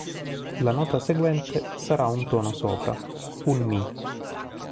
La nota seguente sarà un tono sopra: un Mi.